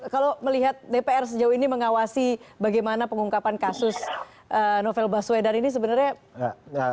kalau melihat dpr sejauh ini mengawasi bagaimana pengungkapan kasus novel baswedan ini sebenarnya